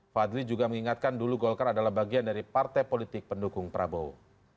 fadli juga mengingatkan dulu golkar adalah bagian dari partai politik pendukung prabowo